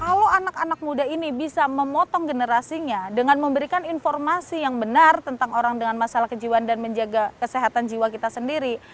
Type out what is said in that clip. kalau anak anak muda ini bisa memotong generasinya dengan memberikan informasi yang benar tentang orang dengan masalah kejiwaan dan menjaga kesehatan jiwa kita sendiri